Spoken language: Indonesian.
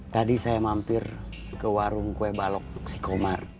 tadi saya mampir ke warung kue balok si komar